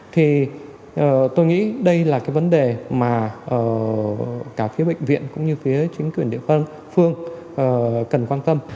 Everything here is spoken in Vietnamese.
thì tôi nghĩ đây là cái vấn đề mà cả phía bệnh viện cũng như phía chính quyền địa phương cần quan tâm